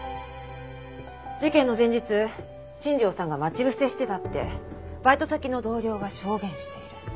事件の前日新庄さんが待ち伏せしてたってバイト先の同僚が証言している。